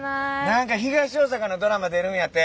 何か東大阪のドラマ出るんやて。